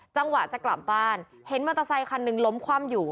จังหวะจะกลับบ้านเห็นมอเตอร์ไซคันหนึ่งล้มคว่ำอยู่